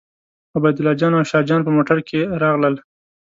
عبیدالله جان او شاه جان په موټر کې راغلل.